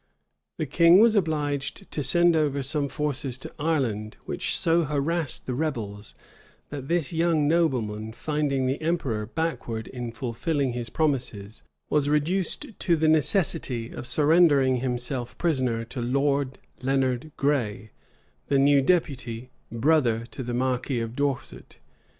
The king was obliged to send over some forces to Ireland, which so harassed the rebels, that this young nobleman, finding the emperor backward in fulfilling his promises, was reduced to the necessity of surrendering himself prisoner to Lord Leonard Gray, the new deputy, brother to the marquis of Dorset.